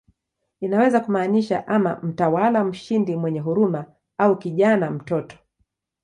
Inaweza kumaanisha ama "mtawala mshindi mwenye huruma" au "kijana, mtoto".